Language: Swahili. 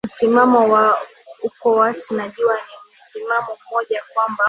msimamo wa ucowas najua ni misimamo mmoja kwamba